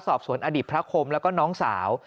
สอบสวนอดีตพระคมและน้องสาว